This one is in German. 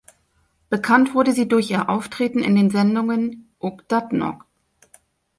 Bekannt wurde sie durch ihr Auftreten in den Sendungen "Ook dat nog!